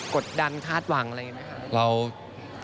กดดันคาดวังอะไรไหมคะ